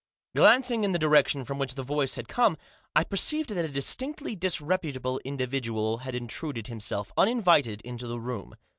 Glancing in the direction from which the voice had come I perceived that a distinctly disreputable indi vidual had intruded himself, uninvited, into the room.